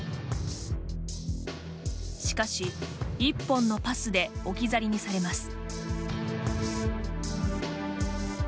しかし１本のパスで置き去りにされます。